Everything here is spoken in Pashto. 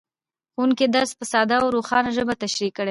ښوونکی درس په ساده او روښانه ژبه تشریح کوي